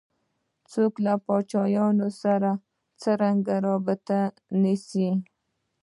څوک له پاچاهانو سره څرنګه رابطه نیسي.